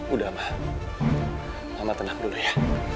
udah ma mama tenang dulu ya